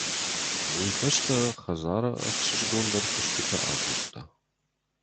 Уый фӕстӕ хӕдзары ӕхсызгондӕр куыстытӕ акодта.